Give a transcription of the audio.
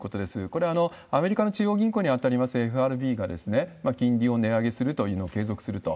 これはアメリカの中央銀行に当たりますＦＲＢが、金利を値上げするというのを継続すると。